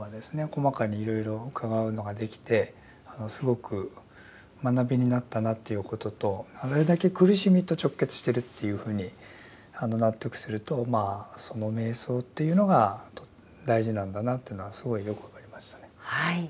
細かにいろいろ伺うのができてすごく学びになったなということとあれだけ苦しみと直結してるっていうふうに納得するとまあその瞑想っていうのが大事なんだなってのはすごいよく分かりましたね。